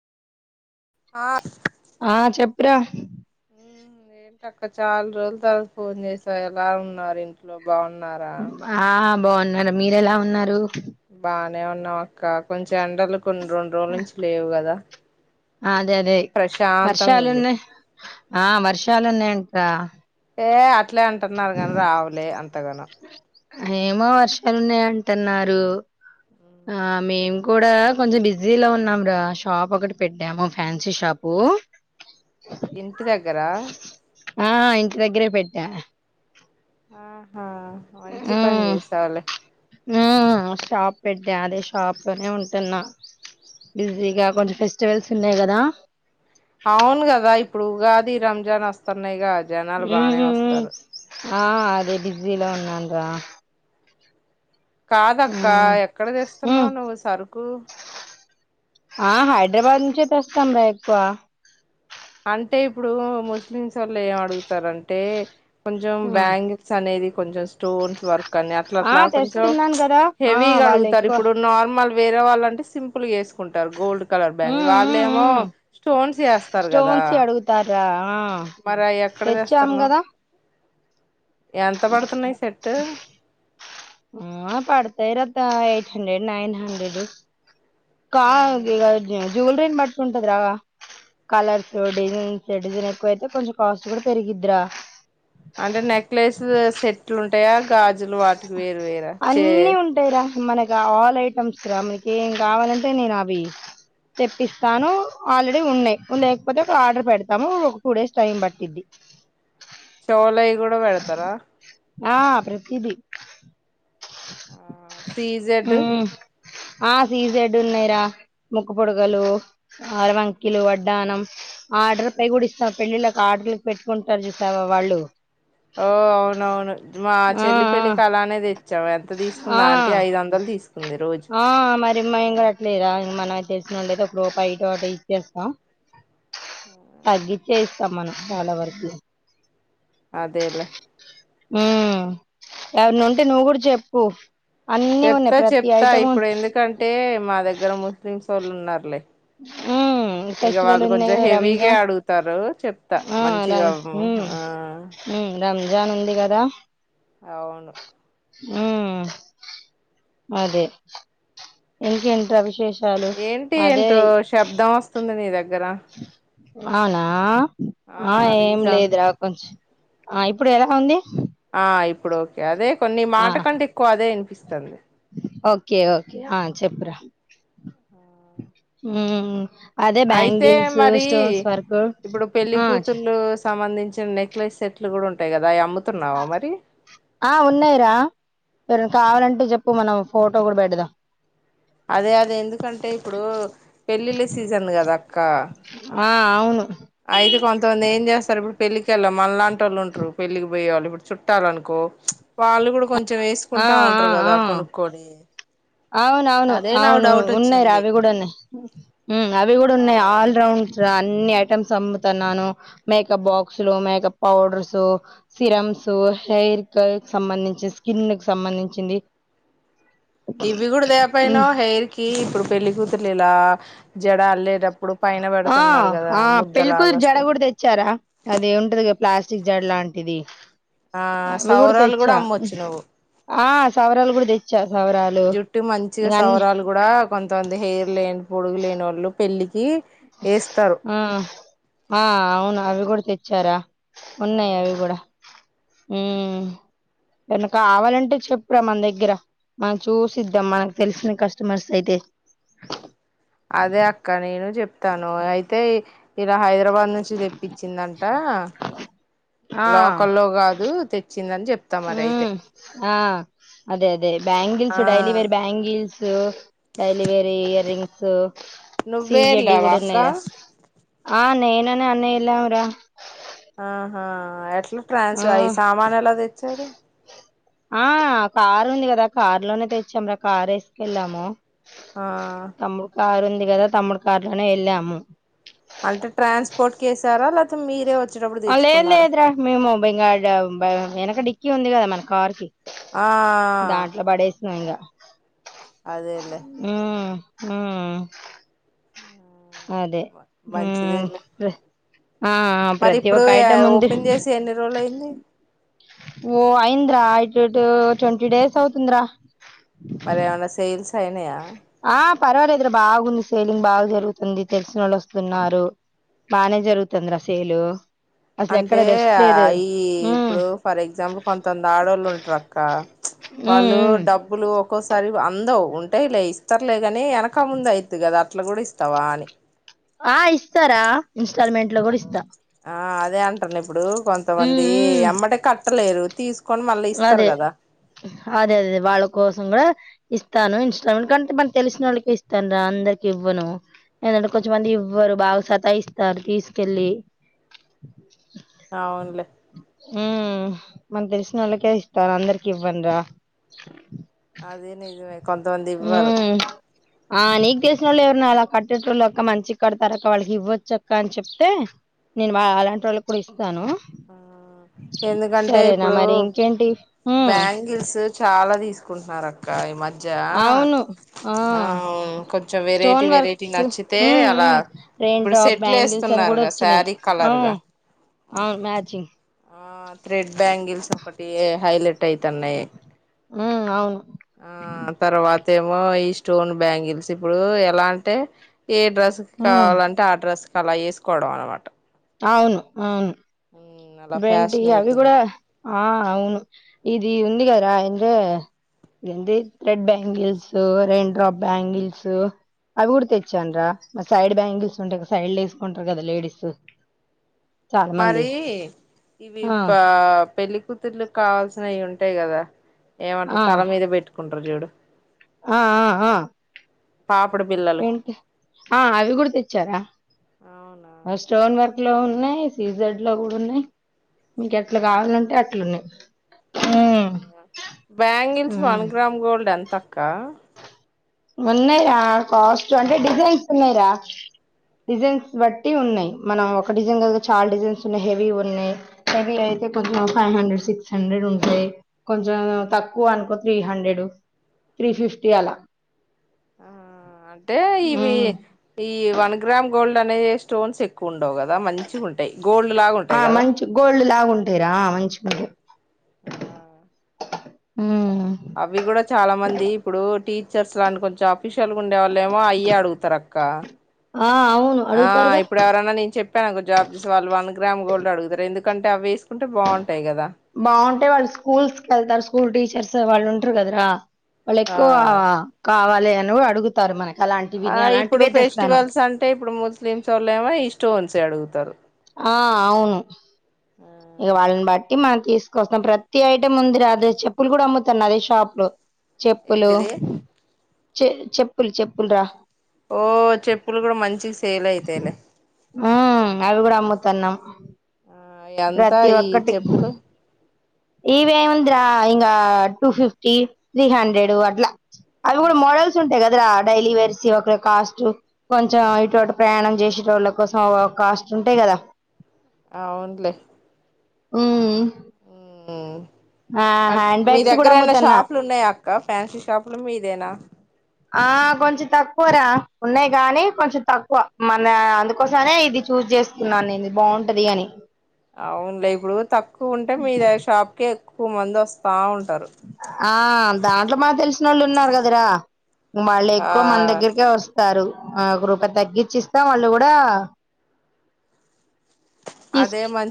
ఆఫ బ ఏంట అక్క చాలా రోజుల తర్వాత ఫోన్ చేసా ఎలా ఉన్నారు ఇంట్లో బాగున్నారా ఆ బాగున్నారు మీరు ఎలా ఉన్నారు బానే ఉన్నాం అక్క కొంచెం ఎండలు కొన్ని రెండు రోజుల నుంచి లేవు కదా అదే అదే ప్రశాంతంగా ఉంది వర్షాలున్న ఆ వర్షాలున్న ఏంట్రా ఏ అట్లే అంటున్నారు ని రావులే అంతగాన ఏమో వర్షాలున్నాయి అంటున్నారు ఆ మేము కూడా కొంచెం బిజీ లో ఉన్నాం రా షాప్ ఒకటి పెట్టాము ఫ్యాన్సీ షాప్ పోఓ ఇంటి దగ్గరా ఆ ఇంటి దగ్గరే పెట్టా ఆహా వంచి పంది సవాల ఆ షాప్ పెట్టే అదే షాప్నే ఉంటున్నా బిజీగా కొంచెం ఫెస్టివల్స్ ఉన్నాయి కదా అవును కదా ఇప్పుడు ఉగాది రంజాన్ వస్తున్నాయిగా జనాలు ఉమ్, బానే ఉమ్, ఉమ్. వస్తారు ఆ అదే బడిజజీలా ఉన్నాండ కాదక్క ఎక్కడ ఉమ్. తెస్తున్నావు నువ్వు సరుకు ఆ హైదరాబాద్ నుంచి తె వస్తాం రా ఎక్కువ అంటే ఇప్పుడు ముస్లిమ్స్ వాళ్ళ ఏం అడుగుతారంటే కొంచెం బ్యాంగిల్స్ అనేది కొంచెం స్టోన్స్ వర్క్ కా అట్లా ఆ అ కొంచ తెస్తున్నాను కదా ఆ హెవ అడుగు వాళ్ళు ఎక్కువ ఇప్పుడు నార్ల్ వేరే వాళ్ళంటే సింపుల్ వేసుకుంటారు గోల్డ్ కలర్ బ్యాంగ్ ఉమ్ వాళ్ళ ఉమ్ ఏమో ఉమ్ స్టోన్స్ వేస్తారు కదా స్టోన్స్ అడుగుతారా మరి అవి ఎక్కడ తెచ్చాం తెస్తన్నావ్ కదా ఎంత పడుతున్నాయి్ సెట్టు ఆ పడతాయిరత ఎయిట్ హండ్రెడ్ నైన్ హండ్రెడ్ కా ఆ ఇ జ్యువెలరీన్ బట్ంటది రా కలర్స్ డిజైన్స్ డిజైన్ ఎక్కువైతే కొంచెం కాస్ట్ కూడా పెరిగిదిరా అంటే నెక్లెస్ సెట్లు ఉంటాయా గాజులు వాటికి వేరు వేరా చే అన్ని ఉంటాయిరా మనకి ఆల్ ఐటమ్స్ రా మనకి ఏం కావాలంటే తెప్పిస్తాను ఆల్రెడీ ఉన్నాయి లేకపోతే ఒక ఆర్డర్ పెడతాము ఒక టూ డేస్ టైం పట్టిద్ది అ చొవలవి కూడా పేడతారా ఆ ప్రతిది ఆ ఊ సీజెడ్ ఆ సీజెడ్ ఉన్నాయిరా ముక్క పుడకలు అరవంకిలు వడ్డానం ఆర్డర్ పై కూడా ఇస్తా పెళ్లిళ్ళలకు ఆడ పెట్టుకుంటారు చూసావా వాళ్ళు ఓ అవునవును మా ఆ చెల్లి పెళ్లి కి అలా నే తే ఐదు ఆ ఆ వందలు తీసుకుంది ఆ రోజుకి మరి మేము కట్లేదా మనం తెలిసిన వాళ్ళు అయితే ఆ రమ్మన్నా ఆడ వరికీ అదేలే ఉ ఎవరన్న ఉంటే నువ్వు కూడా చెప్పు అన్నీ చెప్తా ఉన్నాయి ప్రతి చెప్తా ఐటమ్ ఇప్పుడు ఎందుకంటే మా దగ్గర ముస్లిం వోళ్ళు ఉన్నారులే ఊ ఉ ఇక ఫెస్టివల్ వాళ్ళు ఉంది కొంచెం హెవీగా రంజాన్ అడుగుతారు చెప్తా ఆ మంచిగా రమ్ ఊ ఆ ఊ రంజాన్ ఉంది కదా అవును ఊ అదే ఇంకేంటి రా విశేషా ఏంటి ఏంటో శబ్దం వస్తుంది నీ దగ్గర అవునా ఆ ఏం లేదురా కొంచం ఆ ఇప్పుడు ఎలా ఉంది ఆ ఇప్పుడు ఓకే అదే కొ నీ ఆ మాట కంటే ఎక్కువ అదే వినిపిస్తుంది ఓకే ఓకే ఆ చెప్పురా ఆ ఊ అదే బ్యాంగిల్స్ మరి స్టోన్స్ వర్క్ ఆ చిన్ నెక్లెస్ సేట్లు కూడా ఉంటాయి కదా అవి అమ్ముతున్నావా మరి ఆ ఉన్నాయి రా ఎవరన్నా కావాలంటే చెప్పు మనం ఫోటో కూడా బెడదాం అదే అదే ఎందుకంటే ఇప్పుడు పెళ్లిళ్ళ సీజన్ కదా అక్క ఆ అవును అయితే కొంతమంది ఏం చేస్తారు ఇప్పుడు పెళ్ళకేళ్ళాలి మనలాంటి వాళ్ళు ఉంటారు పెళ్లికి పోయేవాళ్ళు ఇప్పుడు చుట్టాల అనుకో ఓ చ్ వాళ్ళు కూడా కొంచెం వేసుకుంటా ఉంటారు కదా కొనుక్కొని అవును అవును అదే నాకు అవును డౌట్ ఉన్నాయి రా వచ్చింది అవి కూడా ఉన్నాయి ఊ అవి కూడా ఆ ఉన్నాయి ఆల్రౌండ్స్ అన్ని అన్ని ఐటమ్స్ అమ్ముతన్నాను మేకప్ బాక్స్లు, మేకప్ పౌడర్సు, సీరంసు హెయిర్ కి సంబంధించింది స్కిన్ కి సంబంధించింది ఇవి కూడా హ్మ్. తకపోయినవ హెయిర్ కి ఇప్పుడు పెళ్ళ కూతుర్లు ఇలా జడ అల్లేట ఆ ఆ పెళ్ళికూతురు జడ వస్తాయి కూడా తెచ్చారా అది ఉంటది కదా ప్లాస్ జాడ లాంటిది ఆ అవి కూడా సౌరాలు తెచ్చా అమ్మొచ్చు నువ్వు ఆ సవరాలు కూడా తెచ్చు జుట్టు మంచిగా సౌరాలు కూడా కొంతమంది హెయిర్ లేని పొడుగు లేనోళ్ళు పెళ్ళికి ఏ ఏస్తారు ఆ! ఆ అవును అవి కూడా తెచ్చారా ఆ ఉన్నాయి అవి కూడా ఊ ఏమన్నా కావాలంటే చెప్పురా మన దగ్గర మనం చూసిద్దాం మనకు తెలిసిన కస్టమర్స్ అయితే [inaudible] తను అయితే ఇలా హైదరాబాద్ నుంచి తెప్పించిందంట లోకల్లో కాదు తెచ్చింది ఊ ఆ అదే అదే ఆ bangles daily wear bangles daily wear earrings సి నువ్వే జడ్డియి వెళ్ళావా అక్క గుడున్నైరా ఆ నేను అను అన్నయ ఎల్లంర ఆహా ఎట్లా ట్రాన్స్ ఈ సామాన్ ఎలా తెచ్చారు ఆ కారు ఉంది కదా కారు లోనే తెచ్చాంరా కార్ ఎసుకెళ్ళాము ఆ తమ్ముడు కారు ఉంది కదా తమ్ముడు కారులోనే ఎళ్ళాము అంటే ట్రాన్స్పోర్ట్ కేసారా లేకపోతే మీరే వ లేదు లేదురా మేము ఇగా ఏనక డిక్కీ ఉంది కదా మన కార్ కి ఆ దాంట్లో పడేసినం ఇంగా అదేలే హ్మ్మ్ హ్మ్ అదే హ్మ్మ్ మంచిదేలే ఆ మరి ప్రతి ఇప్పుడు ఒక్క ఐటమ్ ఉంది ఓపెన్ చేసి ఎన్ని రోజులు అయింది ఓఐ అటు ఇటు ట్వంటీ డేస్ అవుతుందిరా అయినయ కొన్ని సెల్లింగ్ బాగా జరుగుతుంది తెలిసినోళ్ళు వస్తున్నారు బానే జరుగుతుంది రా సేలు అసలు ఎక్కడ అంటే రెస్ట్ లేదు అయి హ్మ్ ఇప్పుడు ఫర్ ఎగ్జాంపుల్ కొంతంది ఆడోళ్ళు ఉంటారు అక్క హ్మ్ వాళ్ళు హ్మ్ డబ్బులు ఒక్కోసారి అందవు ఉ ఉంటాయ్లే ఇస్తారులేగాని ఎనక ముందు అయ్యిది కదా అట్లా కూడా ఇస్తావా అని ఆ ఇస్తారా ఇన్స్టాల్మెంట్ లో కూడా ఇస్తా ఆ అదే అంటున్న ఇప్పుడు హ్మ్ కొంతమంది హ్మ్ అమ్మటే కట్టలేరు తీసుకు అదే అదేదే వాళ్ళ కోసం కూడా ఇస్తాను ఇన్స్ట్రామెంట్ కంటే మన తెలిసిన వాళ్ళకి ఇస్తాను రా అందరికి ఇవ్వను ఏంటంటే కొంచెమంది ఇవ్వరు బాగా సతా ఇస్తారు తీసుకెల్లి అవునులే ఊ మాకు అందుకే ఇస్తాను అందరికి ఇవ్వను రా అది నిజమే కొంతమంది ఇవ్వారు ఉమ్ ఆ నీకు తెలిసినోళ్ళు ఎవరైనా అలా కట్టేటోళ్ళు అక్క మంచిగా కడతారు అక్క వాళ్ళకి ఇవ్వొచ్చు అక్క అని చెప్తే నేను వల్లలాంతోళ్లుకి కూడా ఇస్తా ఇస్తాను ఎందుకంటే సరేనా ఇప్పుడు మరి ఇంకేంటి బ్యాంగిల్స్ చాలా తీసుకుంటున్నారు అక్క ఆ ఈ మధ్య అవును ఆ హ్మ కొంచెం వెరైటీ స్టోన్ వెరైటీ వర్క్స్ నచ్చితే ఉమ్ అలా ఉమ్ రెయిన్ ఇప్పుడు డ్రాప్ సెట్లు బ్యాంగిల్స్ అని కూడా వేస్తున్నారుగా వచ్చినాయి శారీ ఆ కలర్గా అవును మ ఆ థ్రెడ్ బ్యాంగిల్స్ ఒకటి హైలైట్ ఐతన్నై ఉమ్ అవును ఆ తర్వాత ఏమో ఈ స్టోన్ బ్యాంగిల్స్ ఇప్పుడు ఎలా అంటే ఏ డ్రస్కి ఉమ్ కావాలంటే ఆ డ్రస్ క అలా వేసుకోవడం అనమాట అవును అవును అలా వెంటి ఫ్యాషన్ అవి అయితుంది కూడా ఆ అవును ఇది ఉంది కదా అంట ఇదింది రెడ్ బ్యాంగిల్స్ రైన్డ్రోప్ బ్యాంగిల్స్ అవి కూడా తెచ్చానరా మరి సైడ్ బ్యాంగిల్స్ ఉంటాయి సైడ్ వేసుకుంటారు కదా లేడీస్ చాలా మరి మంది ఇవి ఆ పా పెళ్లి కూతుర్లు కావాల్సిన అవి ఉంటాయి కదా ఏమంటారు ఆ తల మీద పెట్టుకుంటారు చూడు ఆ ఆ పాపడు బిల్లలు ఏంటి ఆ అవి కూడా తెచ్చారా అవునా స్టోన్ వర్క్ లో ఉన్నాయి సీజడ్ లో కూడా ఉన్నాయి మీక ఎట్లా ఆ కావాలంటే అట్లున్నాయి బ్యాంగిల్స్ వన్ ఉమ్. గ్రామ్ గోల్డ్ ఎంత అక్క ఉన్నాయిరా ఆ కాస్ట్ అంటే డిజైన్స్ ఉన్నాయిరా డిజైన్స్ బట్టి ఉన్నాయి మనం ఒక డిజైన్ కి చాలా డిజైన్స్ ఉన్నాయి హెవీ ఉన్నాయి అయితే కొంచెం ఫైవ్ హండ్రెడ్ సిక్స్ హండ్రెడ్ ఉంటాయి కొంచెం తక్కువ అనుకో త్రీ హండ్రెడ్ త్రీ ఫిఫ్టీ అలా ఆ అంటే ఇవి ఉమ్. ఈ వన్ గ్రామ్ గోల్డ్ అనే స్టోన్స్ ఎక్కువన్నా ఉండవు కదా మంచిగా ఉంటాయి గోల్డ్ లాగా ఉంటాయి కదా ంటేరా మంచిగుంటాయి ఆ హ అవి కూడా చాలా మంది ఇప్పుడు టీ టీచర్స్ ంటి కొంచంఫీషియల్ గా ఉండే వాళ్ళ ఏమో అయ్యే అడుగుతారు అక్క ఆ అవును ఆ అడుగుతారుగా ఇప్పుడు ఎవరన్నా నేను చెప్పాను ఒక జాబ్ చేసి వాళ్ళు వన్ గ్రామ్ గోల్డ్ అడుగుతారు ఎందుకు ఎందుకంటే అవి వేసుకుంటే బాగుంటాయి కదా అంటే వాళ్ళు స్కూల్స్ క వెతారు స్కూల్ టీచర్స్ వాళ్ళు ఉంటారు కదరాా వాళ్ళు ఎక్కువ కావాల అని అడుగుతారు మనకి ఆ అలాంటివిని ఇప్పుడు అలాంటివే తెస్తాను ఫెస్టివల్స్ అంటే ఇప్పుడు ముస్లిమ్స్ వాళ్ళ ఏమో ఈస్టోన్స్ అడుగుతారు ఆ అవును ఆ ఇక వాళ్ళని బట్టి మనం తీసుకొస్తాం ప్రతి ఐటం ముందిదే చెప్పులు కూడా అమ్ముతాను అదే షాప్ లో చెప్పులు ఏంటిది చె చెప్పులు చెప్పులు రా ఓ చెప్పులు కూడా మంచి సేల్ అయితాలే త్తనం ప్రతి ఈ ఒక్కటి చెప్పులు ఇవి ఎం ఉంద్రా ఇంగా టూ ఫిఫ్టీ త్రీ హండ్రెడ్ అట్లా అవి కూడా మోడల్స్ ఉంటాయి కద రా డైలీ వర్సి ఒకరు కాస్ట్ కొంచెం ఇటువంటి ప్రయాణం చేసేట వాళ్ళ కోసం కాస్ట్ ఉంటాయి కదా అవునులే ఉ ఆ అ హ్యాండ్ మీ బ్యాగ్స్ కూడా దగ్గరయినా అమ్ముతున్నా షాపులు ఉన్నాయా అక్క ఫ్యాన్సీ షాపులు మీదేనా ఆ కొంచెం తక్కువరా ఉన్నాయి్ కాగాని కొంచెం తక్కువ మన అందుకోసనే ఇది చూ చేస్తున్నాను ఇది నేను బాగుంటది అని అవునులే ఇప్పుడు తక్కువ ఉంటే మీ షాప్ కి ఎక్కువ మంది వస్తా ఉంట ఆ దాంట్లో మాకు తెలిసిన వాళ్ళు ఉన్నారు కదరా వాళ్ళు ఆ ఎక్కువ మన దగ్గరకే వస్తారు ఆ ఒక రూపా తగ్గించి ఇస్తా వాళ్ళు కూడా తీసు అదే మంచి